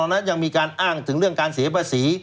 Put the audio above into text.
นั้นยังมีการอ้างถึงเรื่องการเสียภาษี